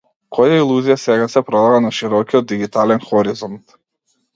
Која илузија сега се продава на широкиот дигитален хоризонт?